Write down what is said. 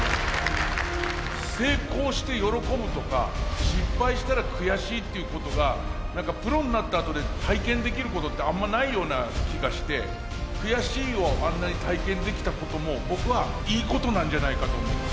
成功して喜ぶとか失敗したら悔しいっていうことが何かプロになったあとで体験できることってあんまないような気がして「悔しい」をあんなに体験できたことも僕はいいことなんじゃないかと思って。